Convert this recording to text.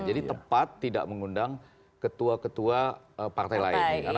tepat tidak mengundang ketua ketua partai lain